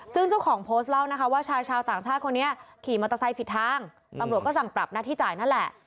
ซึ่งเจ้าของโพสต์เล่านะคะว่าชายชาวต่างชาติคนนี้ขี่มอเตอร์ไซค์ผิดทางตำรวจก็สั่งปรับหน้าที่จ่ายนั่นแหละ